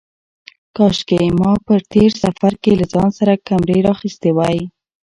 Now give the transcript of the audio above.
کاشکې ما په تېر سفر کې له ځان سره کمرې راخیستې وای.